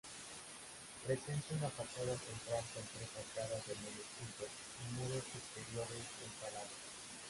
Presenta una fachada central con tres arcadas de medio punto y muros exteriores encalados.